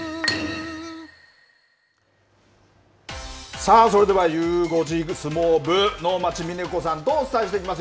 さあ、それではゆう５時相撲部、能町みね子さんとお伝えしていきます。